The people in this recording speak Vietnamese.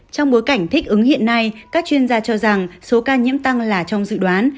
trong bối cảnh thích ứng hiện nay các chuyên gia cho rằng số ca nhiễm tăng là trong dự đoán